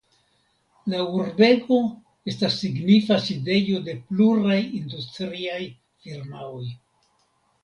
La urbego estas signifa sidejo de pluraj industriaj firmaoj.